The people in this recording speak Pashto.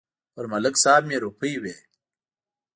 په ملک صاحب مې روپۍ وې.